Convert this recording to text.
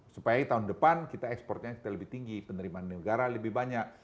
supaya tahun depan kita ekspornya kita lebih tinggi penerimaan negara lebih banyak